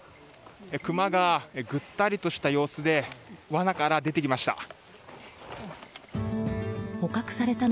クマがぐったりとした様子でわなから出てきました。